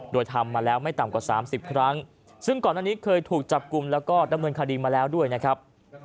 โดยทำมาแล้วไม่ต่ำกว่า๓๐ครั้งซึ่งก่อนอันนี้เคยถูกจับกลุ่มแล้วก็ดำเนินคดีมาแล้วด้วยนะครับ